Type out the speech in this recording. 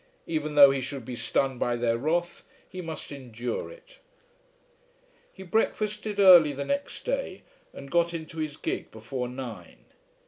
Even though he should be stunned by their wrath he must endure it. He breakfasted early the next day, and got into his gig before nine.